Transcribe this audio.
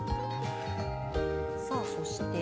さあそして。